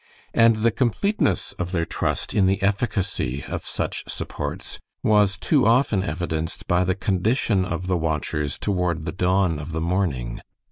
And the completeness of their trust in the efficacy of such supports was too often evidenced by the condition of the watchers toward the dawn of the morning.